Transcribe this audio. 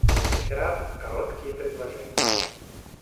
Реферат "Короткие предложения"